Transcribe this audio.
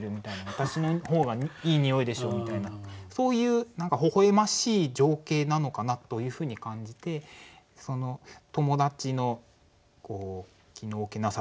「私の方がいい匂いでしょ」みたいなそういうほほ笑ましい情景なのかなというふうに感じて友達の気の置けなさみたいなのを感じましたね。